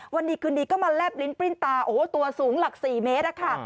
วันดีคืนดีก็มาแลบลิ้นปริ้นตาโอ้โหตัวสูงหลัก๔เมตรอะค่ะ